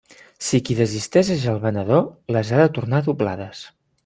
Si qui desisteix és el venedor, les ha de tornar doblades.